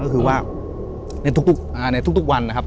ก็คือว่าในทุกวันนะครับ